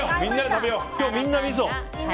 今日はみんなみそ！